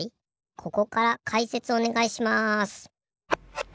ここからかいせつおねがいします。